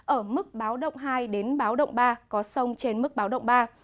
ở mức báo động hai đến báo động ba có sông trên mức báo động ba